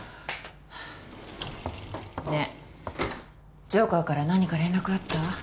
はあねえジョーカーから何か連絡あった？